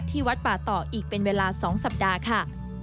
วัดป่าต่ออีกเป็นเวลา๒สัปดาห์ค่ะ